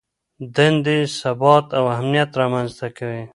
دندې ثبات او امنیت رامنځته کوي.